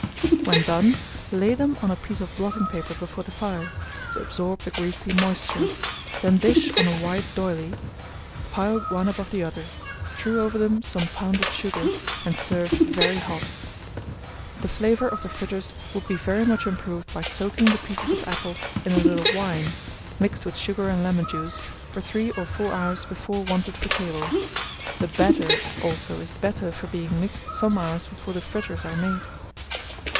When done, lay them on a piece of blotting paper before the fire, to absorb the greasy moisture; then dish on a white d'oyley, piled one above the other; strew over them some pounded sugar, and serve very hot. The flavour of the fritters would be very much improved by soaking the pieces of apple in a little wine, mixed with sugar and lemon juice, for 3 or 4 hours before wanted for table; the batter, also, is better for being mixed some hours before the fritters are made.